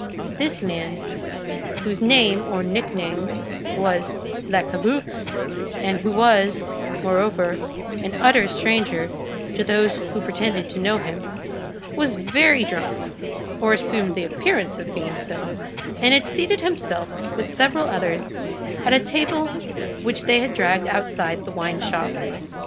This man, whose name or nickname was Le Cabuc, and who was, moreover, an utter stranger to those who pretended to know him, was very drunk, or assumed the appearance of being so, and had seated himself with several others at a table which they had dragged outside of the wine shop.